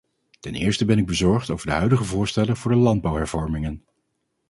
Ten eerste ben ik bezorgd over de huidige voorstellen voor de landbouwhervormingen.